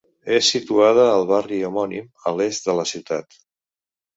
És situada al barri homònim, a l'est de la ciutat.